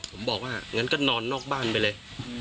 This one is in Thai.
ผมบอกว่างั้นก็นอนนอกบ้านไปเลย